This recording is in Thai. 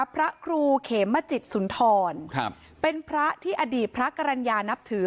พระครูเขมจิตสุนทรเป็นพระที่อดีตพระกรรณญานับถือ